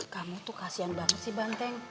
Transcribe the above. kamu tuh kasian banget sih banteng